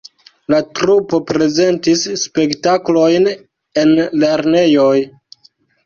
La trupo prezentis spektaklojn en lernejoj.